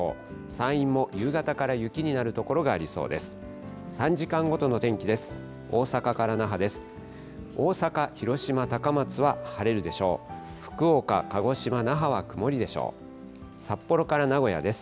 山陰も夕方から雪になる所がありそうです。